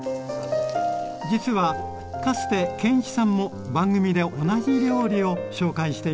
実はかつて建一さんも番組で同じ料理を紹介していました。